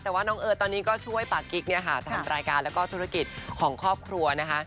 แต่ว่าน้องเอิร์ทตอนนี้ก็ช่วยปากกิ๊กเนี่ยค่ะทำรายการแล้วก็ธุรกิจของครอบครัวนะคะ